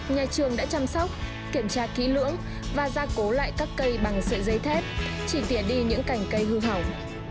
nhà trường đã chăm sóc kiểm tra kỹ lưỡng và gia cố lại các cây bằng sợi dây thép chỉ tỉa đi những cành cây hư hỏng